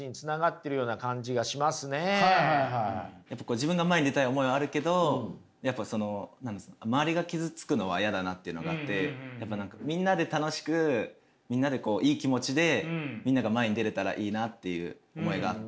自分が前に出たい思いはあるけど周りが傷つくのは嫌だなっていうのがあってみんなで楽しくみんなでいい気持ちでみんなが前に出れたらいいなっていう思いがあって。